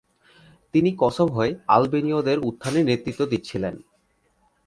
তিনি কসোভোয় আলবেনিয়দের উত্থানে নেতৃত্ব দিচ্ছিলেন।